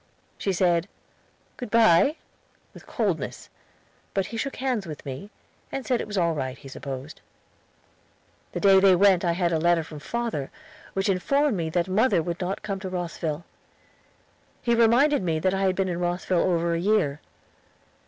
She said, "Good by," with coldness; but he shook hands with me, and said it was all right he supposed. The day they went I had a letter from father which informed me that mother would not come to Rosville. He reminded me that I had been in Rosville over a year.